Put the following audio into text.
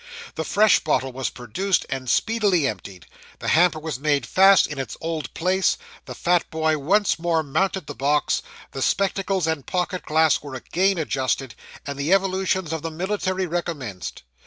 The fresh bottle was produced, and speedily emptied: the hamper was made fast in its old place the fat boy once more mounted the box the spectacles and pocket glass were again adjusted and the evolutions of the military recommenced.